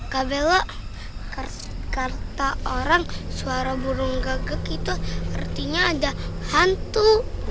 kabella kata orang suara burung gagak itu artinya ada hantu